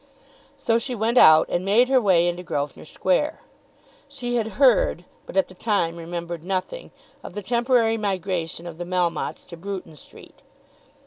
So she went out and made her way into Grosvenor Square. She had heard, but at the time remembered nothing, of the temporary migration of the Melmottes to Bruton Street.